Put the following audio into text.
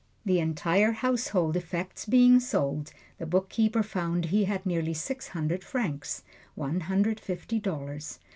The entire household effects being sold, the bookkeeper found he had nearly six hundred francs one hundred fifty dollars.